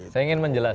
saya ingin menjelaskan